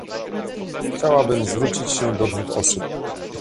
Chciałabym zwrócić się do dwóch osób